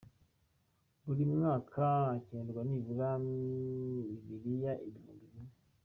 Buri mwaka hakenerwa nibura Bibiliya ibihumbi bine.